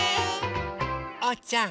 おうちゃん。